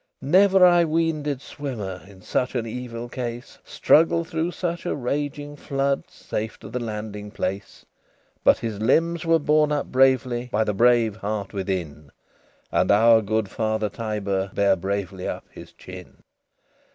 LXII Never, I ween, did swimmer, In such an evil case, Struggle through such a raging flood Safe to the landing place: But his limbs were borne up bravely By the brave heart within, And our good father Tiber Bare bravely up his chin.